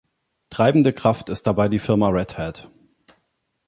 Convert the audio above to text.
Treibende Kraft ist dabei die Firma Red Hat.